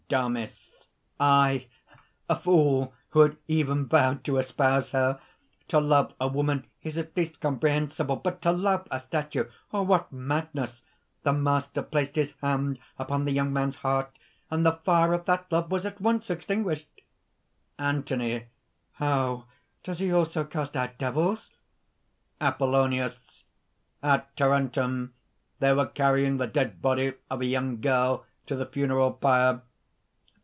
DAMIS. "Aye! a fool who had even vowed to espouse her! To love a woman is at least comprehensible; but to love a statue what madness! The Master placed his hand upon the young man's heart; and the fire of that love was at once extinguished." ANTHONY. "How! does he also cast out devils?" APOLLONIUS. "At Tarentum they were carrying the dead body of a young girl to the funeral pyre."